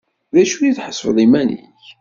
D acu i tḥesbeḍ iman-ik?